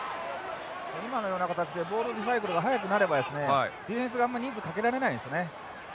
今のような形でボールリサイクルが速くなればディフェンスがあんまり人数をかけられないんですよね。